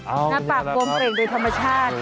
เอ้าเหี้ยนะครับหน้าปากบวมเร็งโดยธรรมชาติโอ้โฮ